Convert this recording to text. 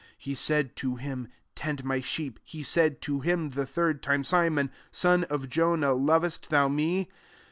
He said to him, " Tend my sheep." 17 He said to him the third time, " Simon son of Jonah, lovest thou me